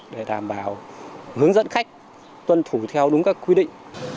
để đảm bảo hướng dẫn khách tuân thủ theo đúng các quy định